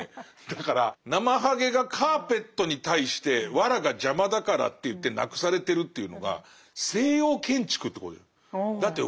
だからナマハゲがカーペットに対して藁が邪魔だからっていってなくされてるっていうのが西洋建築ってことじゃない。